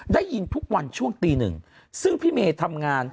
ได้ยินทุกวันช่วงตีหนึ่งซึ่งพี่เมย์ทำงาน